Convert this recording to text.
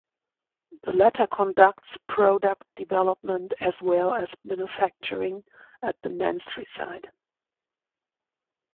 The latter conducts product development as well as manufacturing at the Menstrie site.